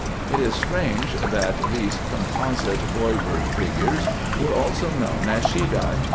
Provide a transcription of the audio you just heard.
It is strange that these composite boy bird figures were also known as Shedi.